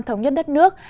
thống nhất đất nước